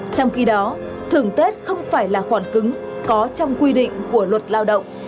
trong khi đó thưởng tết không phải là khoản cứng có trong quy định của luật lao động